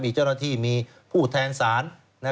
มีเจ้าหน้าที่มีผู้แทนศาล